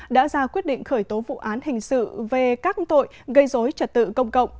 đã ra quyết định khởi tố vụ án hình sự về các tội gây dối trật tự công cộng